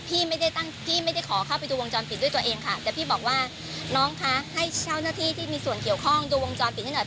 พี่ไม่ได้ตั้งที่ไม่ได้ขอเข้าไปดูวงจรปิดด้วยตัวเองค่ะแต่พี่บอกว่าน้องคะให้เจ้าหน้าที่ที่มีส่วนเกี่ยวข้องดูวงจรปิดให้หน่อย